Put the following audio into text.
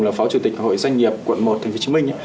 là phó chủ tịch hội doanh nghiệp quận một tp hcm